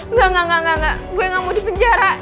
nggak nggak nggak nggak gue gak mau di penjara